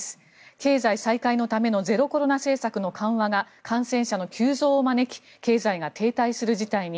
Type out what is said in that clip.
経済再開のためのゼロコロナ政策の緩和が感染者の急増を招き経済が停滞することに。